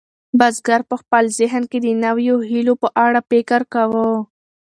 بزګر په خپل ذهن کې د نویو هیلو په اړه فکر کاوه.